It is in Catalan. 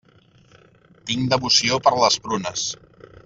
Tinc devoció per les prunes.